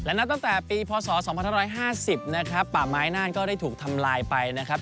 นับตั้งแต่ปีพศ๒๕๕๐นะครับป่าไม้น่านก็ได้ถูกทำลายไปนะครับ